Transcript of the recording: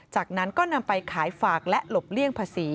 จากนั้นก็นำไปขายฝากและหลบเลื่อน